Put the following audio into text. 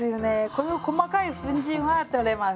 この細かい粉じんは取れませんね。